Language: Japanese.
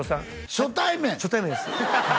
初対面です